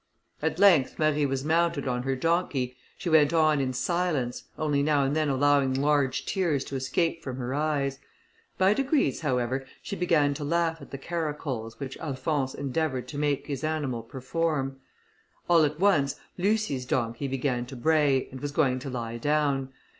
At length Marie was mounted on her donkey, she went on in silence, only now and then allowing large tears to escape from her eyes. By degrees, however, she began to laugh at the caracoles which Alphonse endeavoured to make his animal perform. All at once Lucie's donkey began to bray, and was going to lie down.